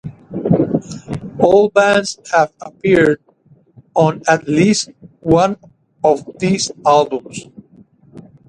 All bands have appeared on at least one of these albums.